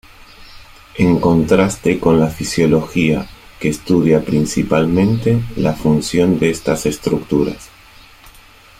En contraste con la fisiología que estudia principalmente la función de estas estructuras.